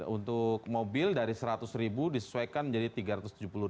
untuk mobil dari rp seratus disesuaikan menjadi rp tiga ratus tujuh puluh